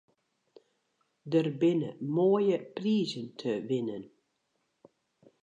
Der binne moaie prizen te winnen.